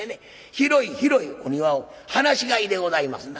広い広いお庭を放し飼いでございますな。